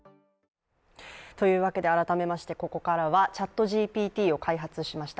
というわけで、改めましてここからはＣｈａｔＧＰＴを開発しました